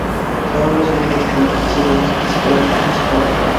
Se ha dado su nombre a diferentes sociedades y escuelas musicales.